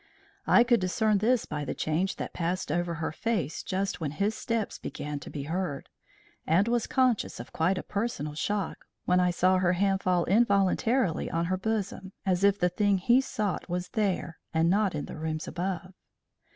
I could discern this by the change that passed over her face just when his steps began to be heard; and was conscious of quite a personal shock when I saw her hand fall involuntarily on her bosom as if the thing he sought was there and not in the rooms above.